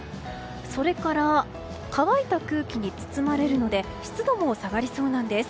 それから乾いた空気に包まれるので湿度も下がりそうなんです。